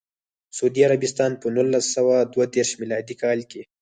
سعودي عربستان په نولس سوه دوه دیرش میلادي کال کې.